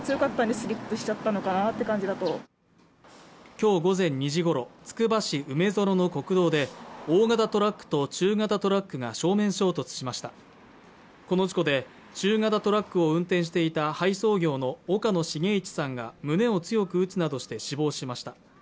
今日午前２時ごろつくば市梅園の国道で大型トラックと中型トラックが正面衝突しましたこの事故で中型トラックを運転していた配送業の岡野さんが胸を強く打つなどして死亡しました